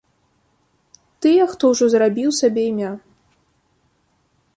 Тыя, хто ўжо зарабіў сабе імя.